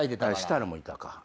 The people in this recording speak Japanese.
設楽もいたか。